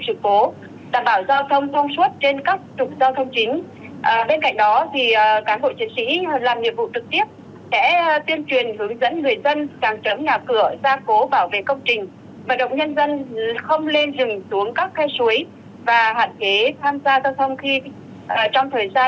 và hạn chế tham gia giao thông khi trong thời gian có mưa bão